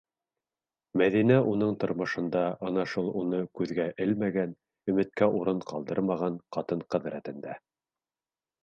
Мәҙинә уның тормошонда ана шул уны күҙгә элмәгән, өмөткә урын ҡалдырмаған ҡатын-ҡыҙ рәтендә.